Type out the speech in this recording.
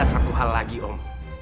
satu hal lagi om